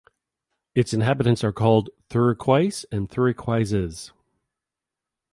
Its inhabitants are called Thurycois and Thurycoises.